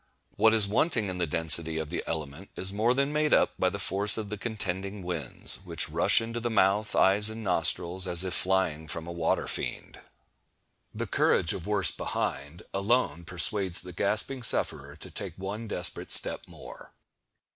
What is wanting in the density of the element is more than made up by the force of the contending winds, which rush into the mouth, eyes, and nostrils, as if flying from a water fiend. The "courage of worse behind" alone persuades the gasping sufferer to take one desperate step more.